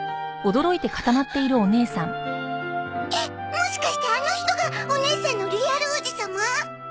もしかしてあの人がお姉さんのリアル王子様？